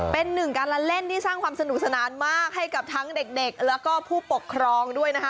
เป็นหนึ่งการละเล่นที่สร้างความสนุกสนานมากให้กับทั้งเด็กแล้วก็ผู้ปกครองด้วยนะคะ